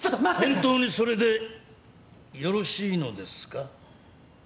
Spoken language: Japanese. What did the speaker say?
本当にそれでよろしいのですか？